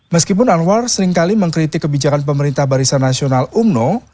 meskipun anwar seringkali mengkritik kebijakan pemerintah barisan nasional umno